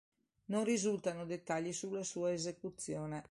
Non risultano dettagli sulla sua esecuzione.